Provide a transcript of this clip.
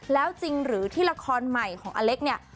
แล้วจริงหรือที่ละครใหม่ของอเล็กเนี่ย